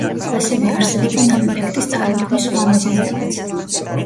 ასევე არსებობენ ამ ეფექტის წარმოქმნის სხვა მიზეზებიც.